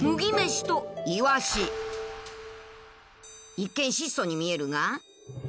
一見質素に見えるが。